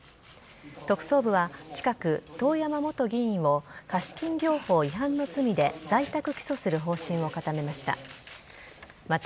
特捜部は近く、遠山元議員を貸金業法違反の罪で在宅起訴する方針を固めました。